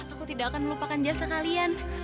aku tidak akan melupakan jasa kalian